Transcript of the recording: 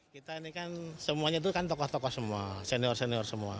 kita ini kan semuanya itu kan tokoh tokoh semua senior senior semua